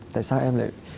tại sao em lại